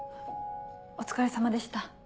お疲れさまでした。